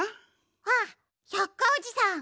あっ百科おじさん。